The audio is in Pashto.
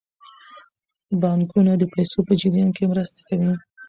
بانکونه د پیسو په جریان کې مرسته کوي.